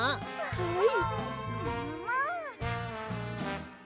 はい。